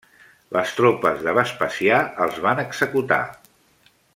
Les tropes de Vespasià els van executar.